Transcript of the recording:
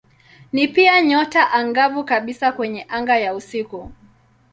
Ni pia nyota angavu kabisa kwenye anga ya usiku.